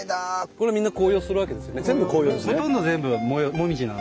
これみんな紅葉するわけですよね。